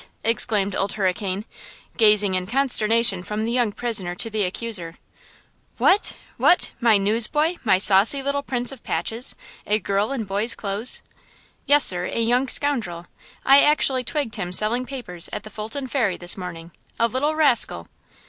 exclaimed Old Hurricane, gazing in consternation from the young prisoner to the accuser; "what–what! my newsboy, my saucy little prince of patches, a girl in boy's clothes?" "Yes, sir–a young scoundrel! I actually twigged him selling papers at the Fulton Ferry this morning! A little rascal!"